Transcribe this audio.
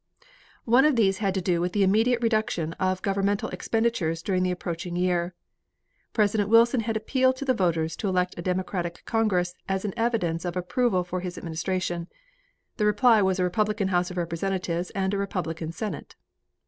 One of these had to do with the immediate reduction of governmental expenditures during the approaching year. President Wilson had appealed to the voters to elect a Democratic Congress as an evidence of approval for his administration. The reply was a Republican House of Representatives and a Republican Senate.